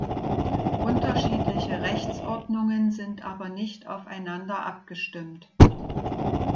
Unterschiedliche Rechtsordnungen sind aber nicht aufeinander abgestimmt.